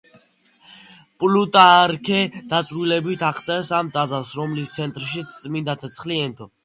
პლუტარქე დაწვრილებით აღწერს ამ ტაძარს, რომლის ცენტრშიც წმინდა ცეცხლი ენთო.